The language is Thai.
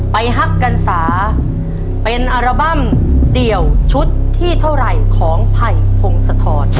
ฮักกันศาเป็นอัลบั้มเดี่ยวชุดที่เท่าไหร่ของไผ่พงศธร